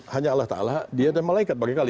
hanya allah ta'ala dia dan malaikat bagaikan